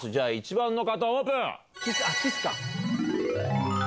１番の方オープン！